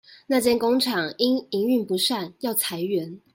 那間工廠因營運不善要裁員